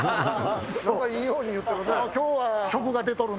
いいように言ってるな。